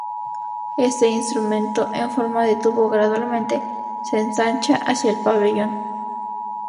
Este instrumento en forma de tubo gradualmente se ensancha hacia el pabellón.